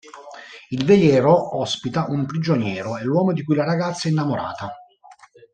Il veliero ospita un prigioniero: è l'uomo di cui la ragazza è innamorata.